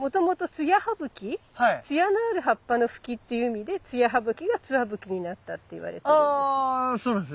つやのある葉っぱのフキっていう意味で「つや葉ブキ」が「ツワブキ」になったっていわれてるんです。